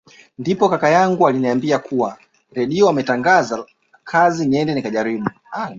Ndipo kaka yangu aliniambia kuwa Redio wametangaza kazi niende nikajaribu